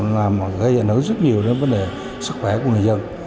làm gây ảnh hưởng rất nhiều đến vấn đề sức khỏe của người dân